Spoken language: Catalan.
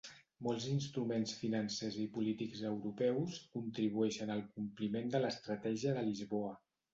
Molts instruments financers i polítics europeus contribueixen al compliment de l'Estratègia de Lisboa.